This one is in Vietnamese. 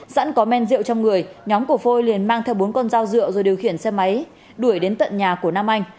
sẵn có men rượu trong người nhóm của phôi liền mang theo bốn con dao rượu rồi điều khiển xe máy đuổi đến tận nhà của nam anh